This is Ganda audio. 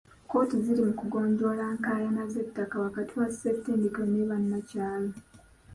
Kkooti ziri mu kugonjoola nkaayana z'ettaka wakati wa ssetendekero ne bannakyalo.